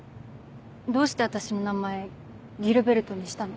どうして私の名前「ギルベルト」にしたの？